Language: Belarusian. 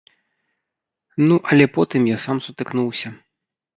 Ну але потым я сам сутыкнуўся.